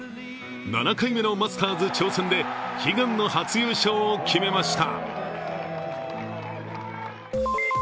７回目のマスターズ挑戦で悲願の初優勝を決めました。